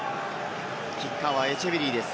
キッカーはエチェベリーです。